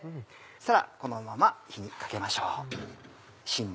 そうしたらこのまま火にかけましょう。